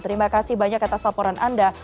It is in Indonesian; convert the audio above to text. terima kasih banyak atas laporan anda